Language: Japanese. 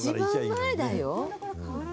一番前だよ。